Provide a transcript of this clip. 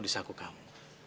di saku kakit